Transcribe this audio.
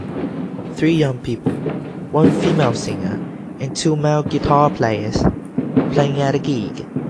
Three young people, one female singer and two male guitar players, playing at a gig.